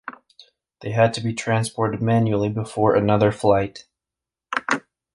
They had to be transported manually before another flight.